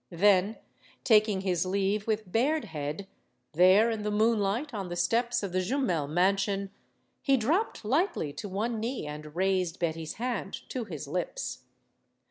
Then, taking his leave with bared head, there in the moonlight on the steps of the Jumel man sion, he dropped lightly to one knee and raised Betty's hand to his lips.